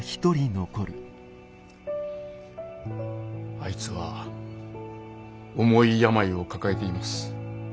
あいつは重い病を抱えています。